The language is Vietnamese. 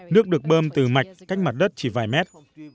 nước được bơm từ mạch cách mặt đất chỉ vài mét